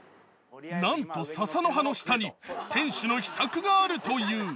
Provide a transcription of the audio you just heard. なんと笹の葉の下に店主の秘策があるという。